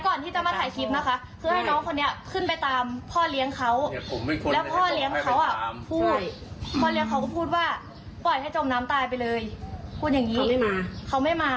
เขาไม่มาไม่มีใครมาเลยญาติเขาอ่ะแล้วพวกผมก็ยืนเฝ้าจนแบบว่าแบบ